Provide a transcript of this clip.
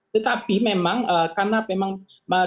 tetapi memang karena memang kalau dari data foxpoll misalnya